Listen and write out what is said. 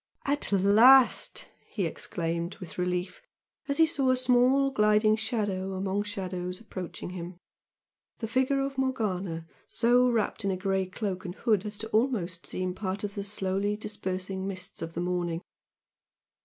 "At last!" he exclaimed, with relief, as he saw a small gliding shadow among shadows approaching him, he figure of Morgana so wrapped in a grey cloak and hood as to almost seem part of the slowly dispersing mists of the morning.